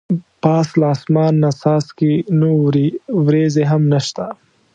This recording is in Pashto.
پاس له اسمان نه څاڅکي نه اوري ورېځې هم نشته.